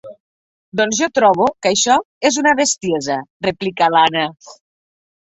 Doncs jo trobo que això és una bestiesa —replica l'Anna—.